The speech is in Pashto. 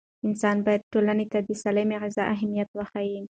انسان باید ټولنې ته د سالمې غذا اهمیت وښيي.